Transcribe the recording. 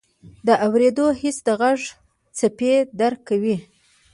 د اورېدو حس د غږ څپې درک کوي.